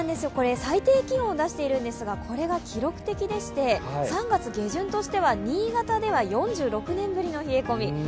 最低気温を出しているんですが、これが記録的でして３月下旬としては新潟では４６年ぶりの冷え込み